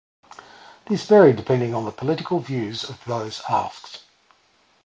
This varied depending on the political views of those asked.